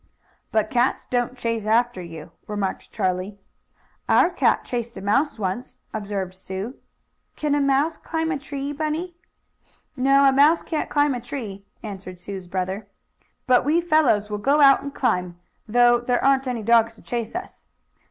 "But cats don't chase after you," remarked Charlie. "Our cat chased a mouse once," observed Sue. "Can a mouse climb a tree, Bunny?" "No, a mouse can't climb a tree," answered Sue's brother. "But we fellows will go out and climb, though there aren't any dogs to chase us.